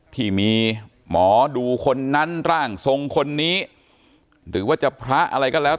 ที่มีหมอดูคนนั้นร่างทรงคนนี้หรือว่าจะพระอะไรก็แล้ว